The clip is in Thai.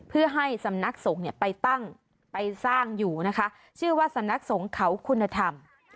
เพื่อให้สำนักสงฆ์เนี่ยไปตั้งไปสร้างอยู่นะคะชื่อว่าสำนักสงฆ์เขาคุณธรรม